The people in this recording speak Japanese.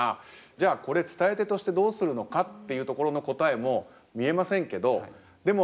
じゃあこれ伝え手としてどうするのかっていうところの答えも見えませんけどでも